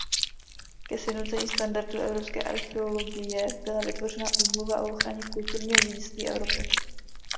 Ke sjednocení standardů evropské archeologie byla vytvořena Úmluva o ochraně kulturního dědictví Evropy.